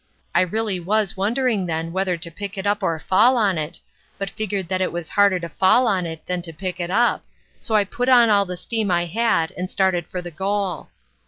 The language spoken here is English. I really was wondering then whether to pick it up or fall on it, but figured that it was harder to fall on it than to pick it up, so I put on all the steam I had and started for the goal.